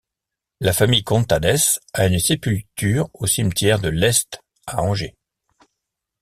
La famille Contades a une sépulture au Cimetière de l'Est à Angers.